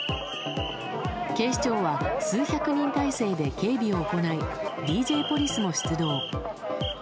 警視庁は数百人態勢で警備を行いＤＪポリスも出動。